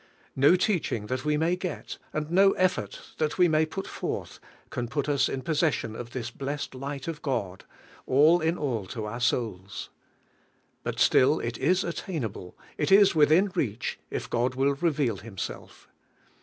No teaching that we may get, and no effort that v^'e may put forth, can put us in possession of this blessed light of God, all in all to our souls. But still it is attainable, it is within reach, if God will reveal Himself.